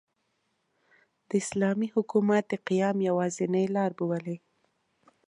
د اسلامي حکومت د قیام یوازینۍ لاربولي.